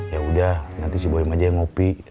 ya udah nanti si boen aja yang ngopi